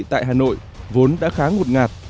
tại hà nội vốn đã khá ngột ngạt